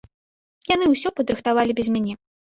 Яны ўсё падрыхтавалі без мяне.